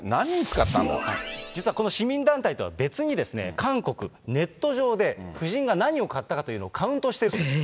実はこの市民団体とは別に、韓国、ネット上で夫人が何を買ったかというのをカウントしているそうです。